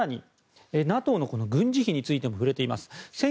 更に、ＮＡＴＯの軍事費についても触れています。